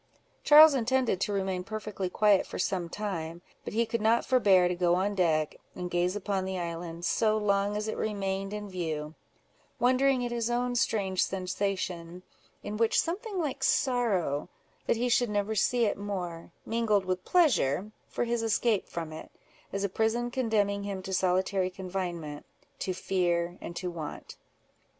Charles intended to remain perfectly quiet for some time, but he could not forbear to go on deck, and gaze upon the island, so long as it remained in view, wondering at his own strange sensation, in which something like sorrow, that he should never see it more, mingled with pleasure for his escape from it, as a prison condemning him to solitary confinement, to fear, and to want.